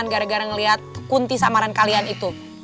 gara gara ngeliat kunti samaran kalian itu